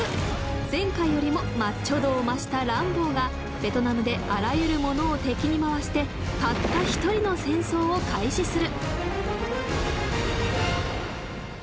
前作よりもマッチョ度を増したランボーがベトナムであらゆるものを敵に回してたった一人の戦争を開始する！